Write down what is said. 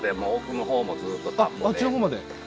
あっちのほうまで？